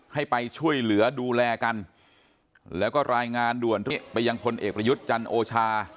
ให้ไปช่วยเหลือดูแลกันแล้วก็รายงานด่วนไปยังพลเอกประยุทธ์จันโอชา